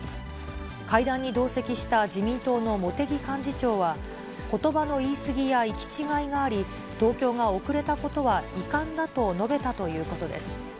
会談に同席した自民党の茂木幹事長は、ことばの言い過ぎや行き違いがあり、東京が遅れたことは遺憾だと述べたということです。